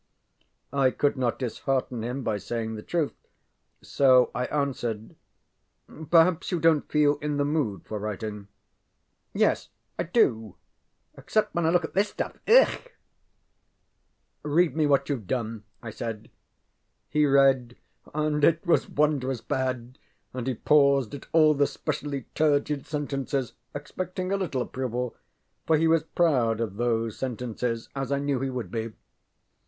ŌĆØ I could not dishearten him by saying the truth. So I answered: ŌĆ£Perhaps you donŌĆÖt feel in the mood for writing. ŌĆØ ŌĆ£Yes I do except when I look at this stuff. Ugh! ŌĆØ ŌĆ£Read me what youŌĆÖve done, ŌĆØ I said. He read, and it was wondrous bad and he paused at all the specially turgid sentences, expecting a little approval; for he was proud of those sentences, as I knew he would be.